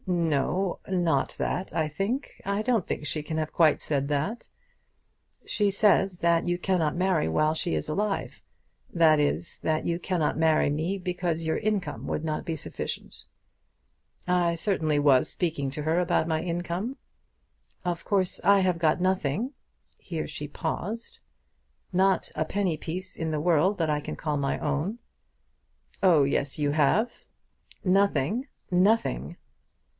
"No; not that, I think. I don't think she can have quite said that." "She says that you cannot marry while she is alive, that is, that you cannot marry me because your income would not be sufficient." "I certainly was speaking to her about my income." "Of course I have got nothing." Here she paused. "Not a penny piece in the world that I can call my own." "Oh yes, you have." "Nothing. Nothing!"